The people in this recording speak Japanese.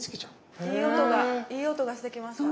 いい音がいい音がしてきました。